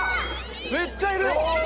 めっちゃいる！